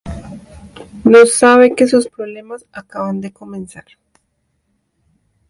No sabe que sus problemas acaban de comenzar.